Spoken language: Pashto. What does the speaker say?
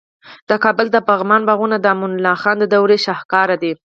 د کابل د پغمان باغونه د امان الله خان د دورې شاهکار دي